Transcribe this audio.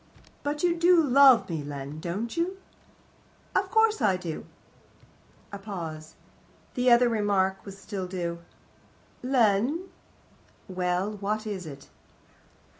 "But you do love me, Len, don't you?" "Of course I do." A pause. The other remark was still due. "Len " "Well? What is it?"